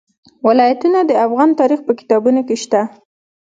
ولایتونه د افغان تاریخ په کتابونو کې شته.